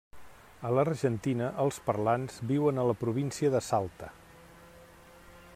A l'Argentina els parlants viuen a la província de Salta.